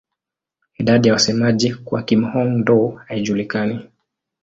Idadi ya wasemaji wa Kihmong-Dô haijulikani.